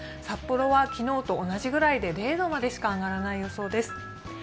札幌は昨日と同じぐらいで０度までしか上がらない予想です。